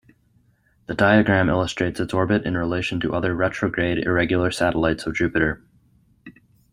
The diagram illustrates its orbit in relation to other retrograde irregular satellites of Jupiter.